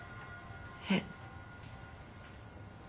えっ。